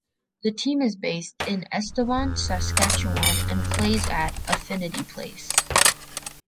The team is based in Estevan, Saskatchewan, and plays at Affinity Place.